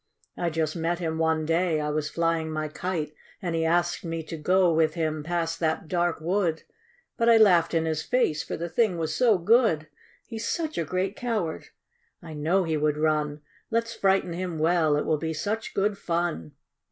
I just met him one day I was flying my kite, And he asked me to go with him past that dark wood, But I laughed in his face — for the thing was so good !" He's such a great coward ! I know he would run. Let's frighten him well — it will be such good fun